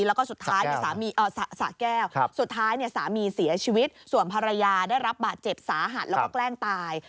แล้วก็สุดท้ายสะแก้วสุดท้ายสามีเสียชีวิตส่วนภรรยาได้รับบาดเจ็บสาหัสแล้วก็แกล้งตาย